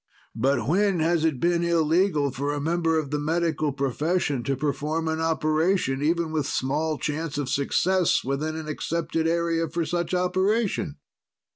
But when has it been illegal for a member of the Medical profession to perform an operation, even with small chance of success, within an accepted area for such operation?